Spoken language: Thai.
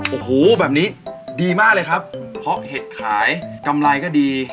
โอ้โหแบบนี้ดีมากเลยครับเพราะเห็ดขายกำไรก็ดี